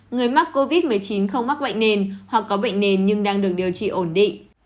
người mắc covid một mươi chín không mắc bệnh nền hoặc có bệnh nền nhưng đang được điều trị ổn định